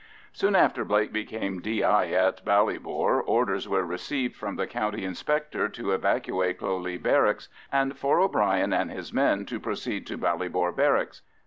Soon after Blake became D.I. at Ballybor, orders were received from the County Inspector to evacuate Cloghleagh Barracks, and for O'Bryan and his men to proceed to Ballybor Barracks.